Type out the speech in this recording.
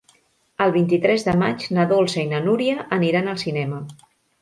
El vint-i-tres de maig na Dolça i na Núria aniran al cinema.